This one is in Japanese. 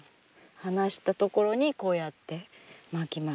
離した所にこうやってまきます。